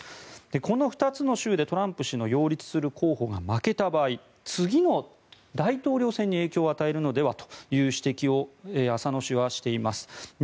この２つの州でトランプ氏の擁立する候補が負けた場合、次の大統領選に影響を与えるのではという指摘を浅野氏はしています。